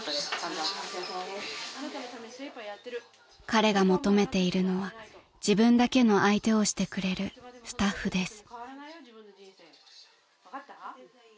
［彼が求めているのは自分だけの相手をしてくれるスタッフです］